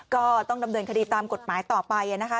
ก็ต้องดำเนินคดีตามกฎหมายต่อไปนะคะ